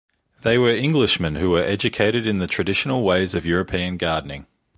They were Englishmen who were educated in the traditional ways of European gardening.